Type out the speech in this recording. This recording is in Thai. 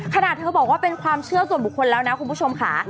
เธอบอกว่าเป็นความเชื่อส่วนบุคคลแล้วนะคุณผู้ชมค่ะ